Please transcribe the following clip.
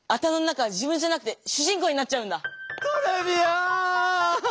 トレビアーン！